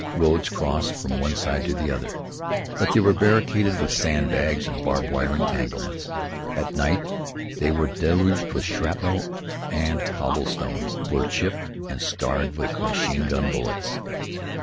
Roads crossed from one side to the other, but they were barricaded with sandbags and barbed wire entanglements. At night they were deluged with shrapnel and the cobblestones were chipped and scarred with machine gun bullets.